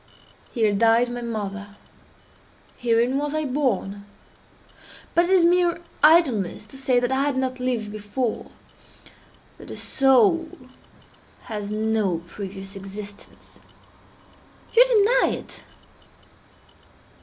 Here died my mother. Herein was I born. But it is mere idleness to say that I had not lived before—that the soul has no previous existence. You deny it?